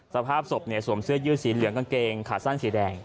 สภาพศพสวมเสื้อยืดสีเหลืองกางเกงขาสั้นสีแดง